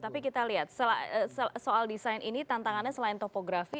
tapi kita lihat soal desain ini tantangannya selain topografi